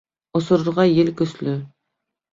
Осорорға ел көслө